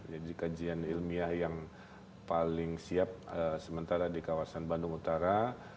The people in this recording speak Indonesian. jadi kajian ilmiah yang paling siap sementara di kawasan bandung utara